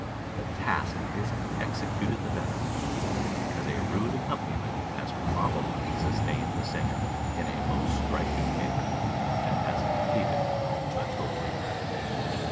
The task is executed the better, because a rude accompaniment has probably sustained the singer in a most striking manner, and has completed the total effect.